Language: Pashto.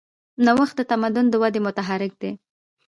نوښت د تمدن د ودې محرک دی.